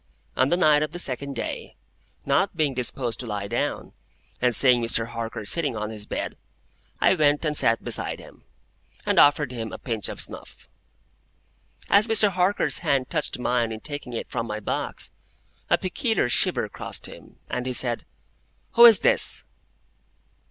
On the night of the second day, not being disposed to lie down, and seeing Mr. Harker sitting on his bed, I went and sat beside him, and offered him a pinch of snuff. As Mr. Harker's hand touched mine in taking it from my box, a peculiar shiver crossed him, and he said, "Who is this?"